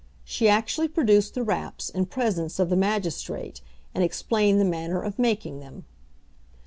She actually produced the "raps," in presence of the magistrate, and explained the manner of making them.